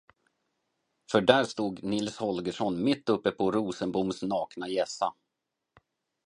För där stod Nils Holgersson mitt uppe på Rosenboms nakna hjässa.